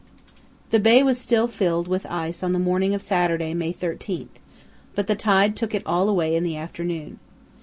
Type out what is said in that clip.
The bay was still filled with ice on the morning of Saturday, May 13, but the tide took it all away in the afternoon.